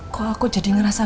kok aku jadi ngerasa